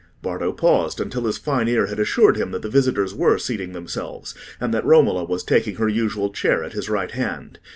Bardo paused until his fine ear had assured him that the visitors were seating themselves, and that Romola was taking her usual chair at his right hand.